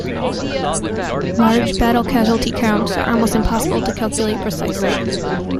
Large battle casualty counts are almost impossible to calculate precisely.